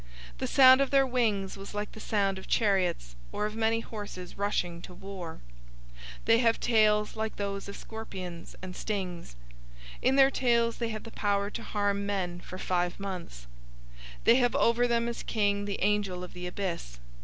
The sound of their wings was like the sound of chariots, or of many horses rushing to war. 009:010 They have tails like those of scorpions, and stings. In their tails they have power to harm men for five months. 009:011 They have over them as king the angel of the abyss.